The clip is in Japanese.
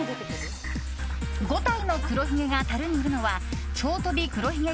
５体の黒ひげがたるにいるのは超飛び黒ひげ